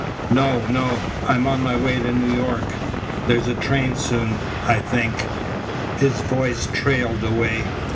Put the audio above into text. "No, no. I'm on my way to New York. There's a train soon, I think." His voice trailed away.